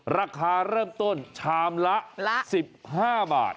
ราคาเริ่มต้นชามละ๑๕บาท